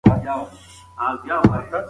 اقتصادي نظام د ټولنې د تولید چارچوب ټاکي.